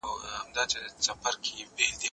زه به اوږده موده کالي وچولي وم،